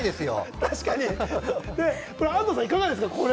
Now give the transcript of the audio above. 安藤さん、いかがですか？